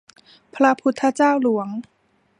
พระพุทธเจ้าหลวง